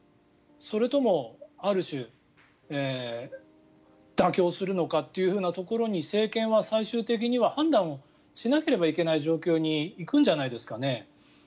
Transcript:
それともある種妥協するのかというところに政権は最終的には判断をしなければいけない状況にいくんじゃないですかね。